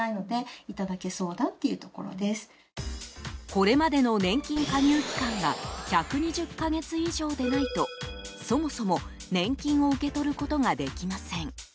これまでの年金加入期間が１２０か月以上でないとそもそも、年金を受け取ることができません。